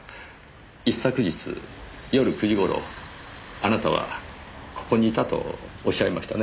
一昨日夜９時頃あなたはここにいたとおっしゃいましたね？